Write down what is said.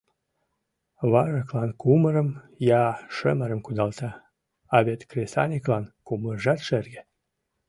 Важыклан кумырым, я шымырым кудалта, а вет кресаньыклан кумыржат шерге.